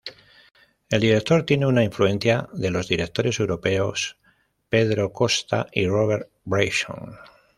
El director tiene influencias de los directores europeos, Pedro Costa y Robert Bresson.